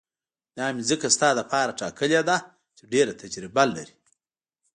دا مې ځکه ستا دپاره ټاکلې ده چې ډېره تجربه لري.